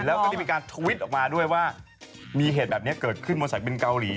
เดี๋ยวก็มีการทวิทว์ออกมาที่มีเหตุแบบนี้เกิดขึ้นว่าสายการบินเกาหลี